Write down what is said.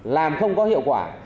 làm không có hiệu quả